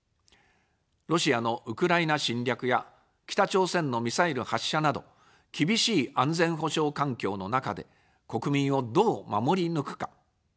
ロシアのウクライナ侵略や北朝鮮のミサイル発射など、厳しい安全保障環境の中で、国民をどう守り抜くか。